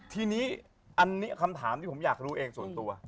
ทีนี้อันนี้คำถามที่ผมอยากรู้เองส่วนตัว